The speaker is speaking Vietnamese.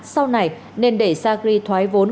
sau này nên để sagri thoái vốn